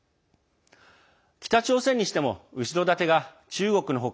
北朝鮮にしても後ろ盾が中国の他